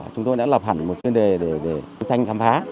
chúng tôi đã lập hẳn một chuyên đề để đấu tranh khám phá